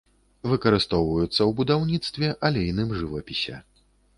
Выкарыстоўваюцца ў будаўніцтве, алейным жывапісе.